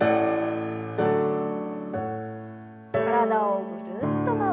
体をぐるっと回します。